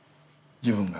自分が。